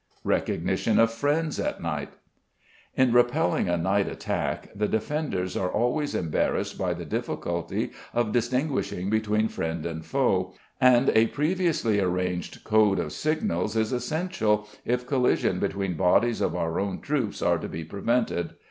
Recognition of Friends at Night. In repelling a night attack the defenders are always embarrassed by the difficulty of distinguishing between friend and foe, and a previously arranged code of signals is essential if collision between bodies of our own troops are to be prevented.